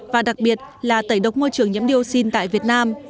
và đặc biệt là tẩy độc môi trường nhiễm dioxin tại việt nam